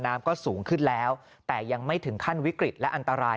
น้ำก็สูงขึ้นแล้วแต่ยังไม่ถึงขั้นวิกฤตและอันตราย